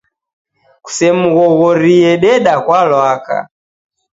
Kusemghoghorie, deda kwa lwaka